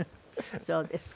そうですか。